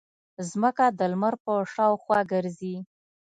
ځمکه د لمر په شاوخوا ګرځي.